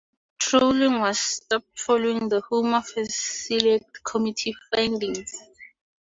Trawling was stopped following the Home Affairs Select Committee findings.